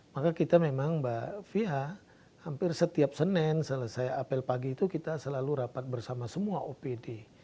maka kita memang mbak fia hampir setiap senin selesai apel pagi itu kita selalu rapat bersama semua opd